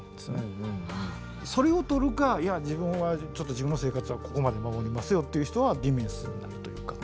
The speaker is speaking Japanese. それを取るかいや自分はちょっと自分の生活はここまで守りますよっていう人はディメンスになるというか。